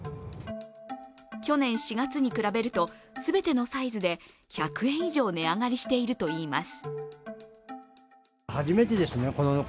去年４月に比べると、全てのサイズで１００円以上値上がりしているといいます。